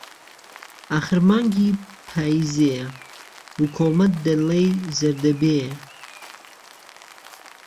ئاخرمانگی پاییزێیه و کوڵمهت دهلێی زهردهبێيه